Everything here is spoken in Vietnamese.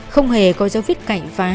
không hề có dấu viết cạnh phá